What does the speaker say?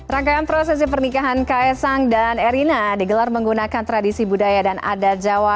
rangkaian prosesi pernikahan kaisang dan erina digelar menggunakan tradisi budaya dan adat jawa